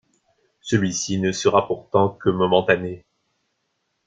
Celui-ci ne sera pourtant que momentané.